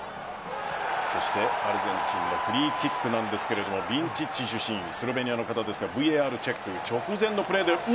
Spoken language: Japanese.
そしてアルゼンチンのフリーキックなんですがスロベニアの方ですがＶＡＲチェック直前のプレーです。